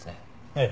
ええ。